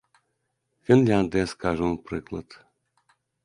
Фінляндыя, скажам, у прыклад.